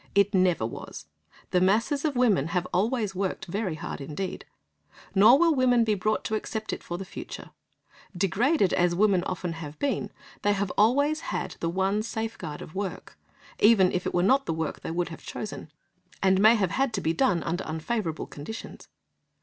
It never was. The masses of women have always worked very hard indeed. Nor will women be brought to accept it for the future. Degraded as women often have been, they have always had the one safeguard of work, even if it were not the work they would have chosen, and may have had to be done under unfavourable conditions.